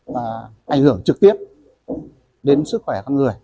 và ảnh hưởng trực tiếp đến sức khỏe con người